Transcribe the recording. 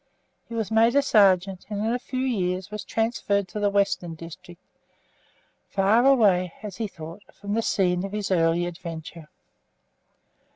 He was made a sergeant, and in a few years was transferred to the Western District, far away, as he thought, from the scene of his early adventure.